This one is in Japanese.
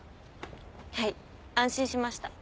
はい安心しました